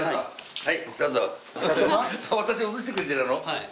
はい。